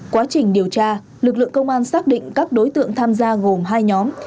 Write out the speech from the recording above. quá trình điều tra lực lượng công an xác định các đối tượng tham gia gồm hai nhóm